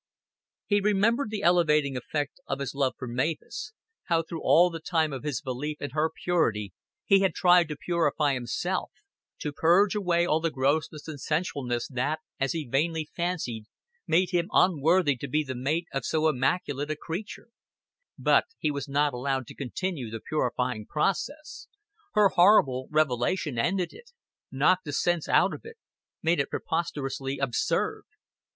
He remembered the elevating effect of his love for Mavis, how through all the time of his belief in her purity he had tried to purify himself, to purge away all the grossness and sensualness that, as he vainly fancied, made him unworthy to be the mate of so immaculate a creature; but he was not allowed to continue the purifying process; her horrible revelation ended it knocked the sense out of it, made it preposterously absurd.